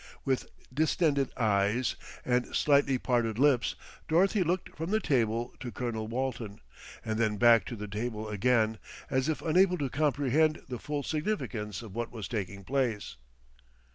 With distended eyes and slightly parted lips Dorothy looked from the table to Colonel Walton, and then back to the table again, as if unable to comprehend the full significance of what was taking place.